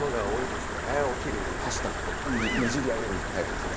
こうねじり上げるタイプですか？